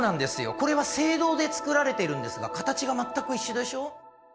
これは青銅で作られてるんですが形が全く一緒でしょ。